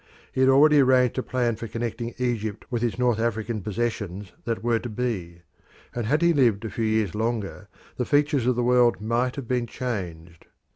He had already arranged a plan for connecting Egypt with his North African possession that were to be, and had he lived a few years longer the features of the world might have been changed.